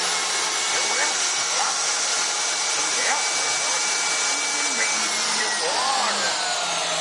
The wealthy flocked to health resorts to drink and bathe in the waters.